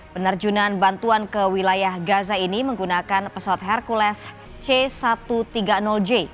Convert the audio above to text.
penerjunan bantuan ke wilayah gaza ini menggunakan pesawat hercules c satu ratus tiga puluh j